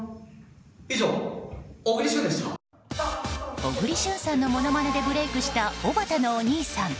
小栗旬さんのものまねでブレークしたおばたのお兄さん。